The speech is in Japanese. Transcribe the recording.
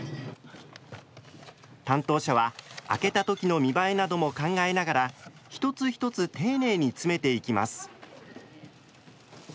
担当者は開けた時の見栄えなども考えながら一つ一つ丁寧に詰めていきます。